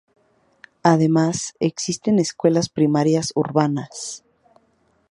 Además existen Escuelas primarias Urbanas.